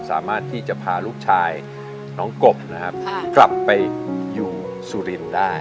สามารถที่จะพาลูกชายน้องกบนะครับกลับไปอยู่สุรินทร์ได้